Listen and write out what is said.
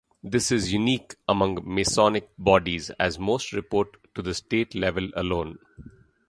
This is unique among Masonic bodies as most report to the state level alone.